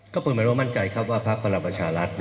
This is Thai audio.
ก็ประมาณว่ามั่นใจครับว่าพักพลังประชารัฐ